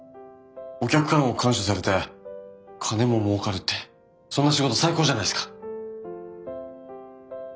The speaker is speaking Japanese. お客からも感謝されて金ももうかるってそんな仕事最高じゃないっすか！